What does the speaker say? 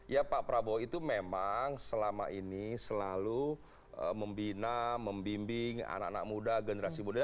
ya pak prabowo itu memang selama ini selalu membina membimbing anak anak muda generasi muda